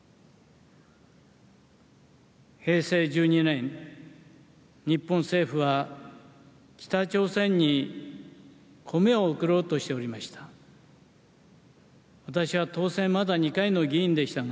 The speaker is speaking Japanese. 平成１２年日本政府は北朝鮮に米を送ろうとしておりました。